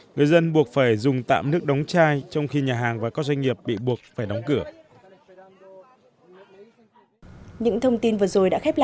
người dân buộc phải dùng tạm nước đóng chai trong khi nhà hàng và các doanh nghiệp